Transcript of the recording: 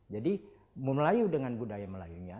jadi melayu dengan budaya melayunya